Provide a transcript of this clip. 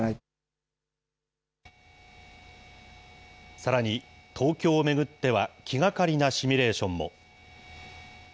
さらに、東京を巡っては、気がかりなシミュレーションも。